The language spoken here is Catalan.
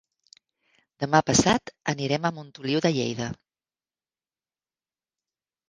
Demà passat anirem a Montoliu de Lleida.